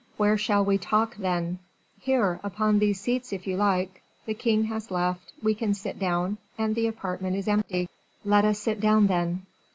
"Where shall we talk, then?" "Here, upon these seats if you like; the king has left, we can sit down, and the apartment is empty." "Let us sit down, then."